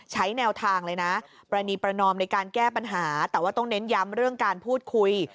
ใช้แนวทางเลยนะปรณีประนอมในการแก้ปัญหาแต่ว่าต้องเน้นย้ำเรื่องการพูดคุย